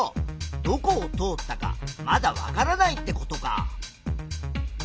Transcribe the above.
どこを通ったかまだわからないってことか。